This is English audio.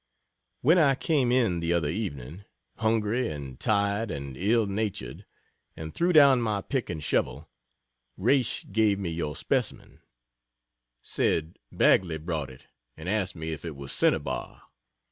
When I came in the other evening, hungry and tired and ill natured, and threw down my pick and shovel, Raish gave me your specimen said Bagley brought it, and asked me if it were cinnabar.